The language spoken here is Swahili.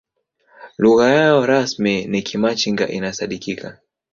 lugha yao rasmi ni kimachinga inasadikika